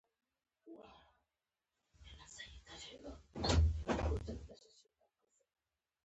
افغانستان تر هغو نه ابادیږي، ترڅو د عامه نظم ساتنه فرض نشي.